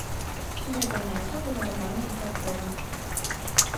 Гэтая назва была абрана выпадкова.